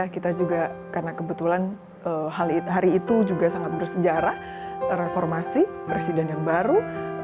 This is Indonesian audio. kita juga karena kebetulan hari itu juga sangat bersejarah reformasi presiden yang baru